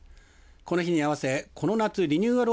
この日に合わせ、この夏リニューアル